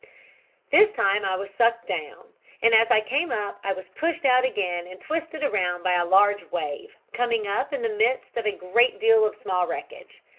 "This time I was sucked down, and as I came up I was pushed out again and twisted around by a large wave, coming up in the midst of a great deal of small wreckage.